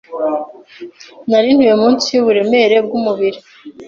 Nari ntuye munsi yuburemere bwumubiri